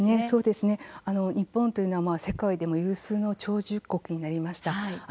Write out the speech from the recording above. そうですね日本というのは世界でも有数の長寿国になりました。